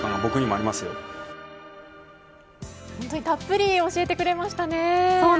たっぷり教えてくれましたね。